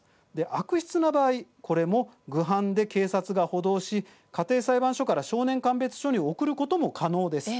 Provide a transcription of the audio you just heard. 悪質な場合これも、ぐ犯で警察が補導し家庭裁判所から少年鑑別所に送ることも可能です。